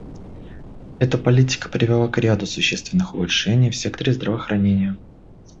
Эта политика привела к ряду существенных улучшений в секторе здравоохранения.